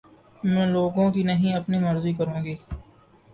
میں لوگوں کی نہیں اپنی مرضی کروں گی